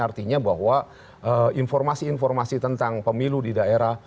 artinya bahwa informasi informasi tentang pemilu di daerah